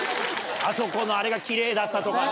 あそこのあれがキレイだったとか。